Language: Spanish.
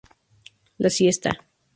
La siesta.